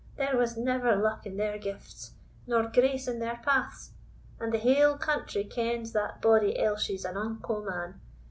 There was never luck in their gifts, nor grace in their paths. And the haill country kens that body Elshie's an unco man.